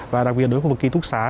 và đặc biệt đối với khu vực ký túc xá